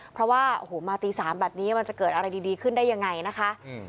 เพราะว่าโอ้โหมาตี๓แบบนี้มันจะเกิดอะไรดีขึ้นได้ยังไงนะคะ